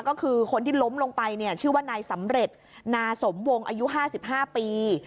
ก็คือคนที่ล้มลงไปเนี่ยชื่อว่านายสำเร็จนาสมวงอายุ๕๕ปี